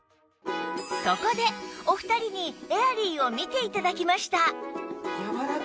そこでお二人にエアリーを見て頂きました